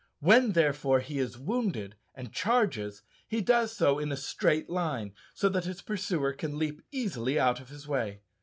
When, therefore, he is wounded, and charges, he does so in a straight line, so that his pursuer can leap easily out of his way.